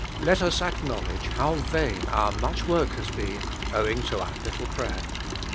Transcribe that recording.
Let us acknowledge how vain our much work has been owing to our little prayer.